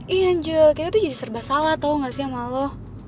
iya angel kayaknya tuh jadi serba salah tahu gak sih sama allah